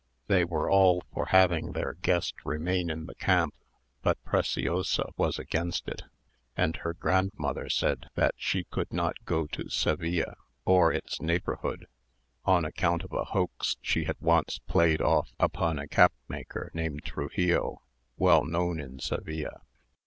They were all for having their guest remain in the camp; but Preciosa was against it; and her grandmother said, that she could not go to Seville or its neighbourhood, on account of a hoax she had once played off upon a capmaker named Truxillo, well known in Seville.